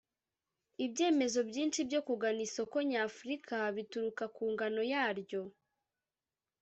Ibyemezo byinshi byo kugana isoko nyafrika bituruka ku ngano yaryo